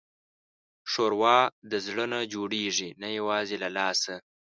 ښوروا د زړه نه جوړېږي، نه یوازې له لاسه.